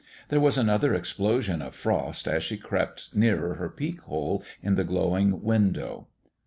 There was another explosion of frost as she crept nearer her peek hole in the glowing window.